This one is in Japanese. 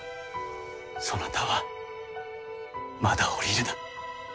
そなたはまだ降りるな。